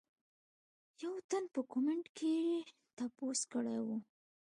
يو تن پۀ کمنټ کښې تپوس کړے وۀ